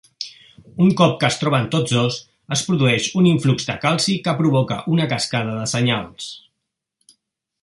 Un cop que es troben tots dos, es produeix un influx de calci que provoca una cascada de senyals.